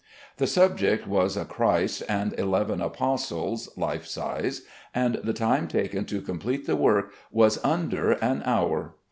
The subject was a Christ and eleven apostles (life size), and the time taken to complete the work was under an hour!